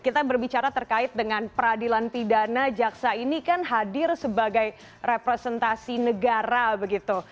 kita berbicara terkait dengan peradilan pidana jaksa ini kan hadir sebagai representasi negara begitu